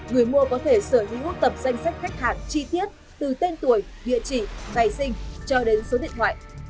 người mua có thể sở hữu tập danh sách khách hàng chi tiết từ tên tuổi địa chỉ ngày sinh cho đến số điện thoại